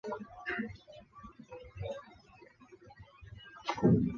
后世为之机抒胜复以便其用。